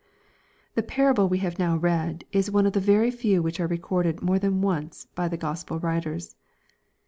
The parable we have now read, is one of the very few which are recorded more than once by the Gospel writers.